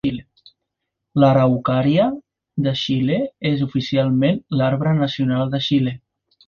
L'araucària de Xile és oficialment l'arbre nacional de Xile.